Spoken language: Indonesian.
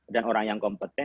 dan orang yang kompeten